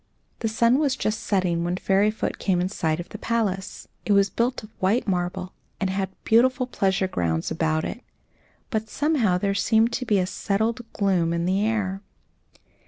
The sun was just setting when Fairyfoot came in sight of the palace. It was built of white marble, and had beautiful pleasure grounds about it, but somehow there seemed to be a settled gloom in the air.